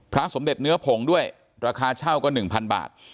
พระสมเด็จเนื้อผงด้วยราคาเช่าก็หนึ่งพันบาท